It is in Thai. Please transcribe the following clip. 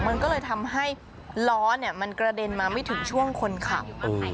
มันก็เลยทำให้ล้อมันกระเด็นมาไม่ถึงช่วงคนขับ